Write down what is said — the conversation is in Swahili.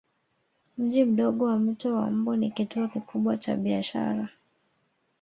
Mji mdogo wa Mto wa Mbu ni kituo kikubwa cha biashara